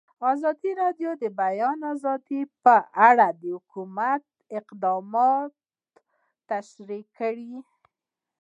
ازادي راډیو د د بیان آزادي په اړه د حکومت اقدامات تشریح کړي.